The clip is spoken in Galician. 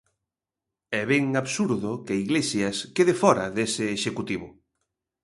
E ven absurdo que Iglesias quede fóra dese executivo.